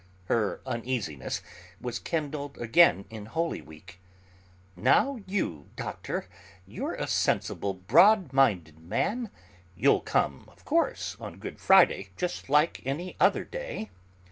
Her uneasiness was kindled again in Holy Week: "Now you, Doctor, you're a sensible, broad minded man; you'll come, of course, on Good Friday, just like any other day?"